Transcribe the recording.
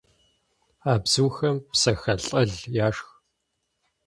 А бзухэм псэхэлӀэл яшх.